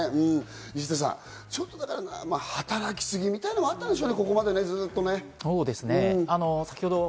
石田さん、働き過ぎみたいなこともあったんでしょうね。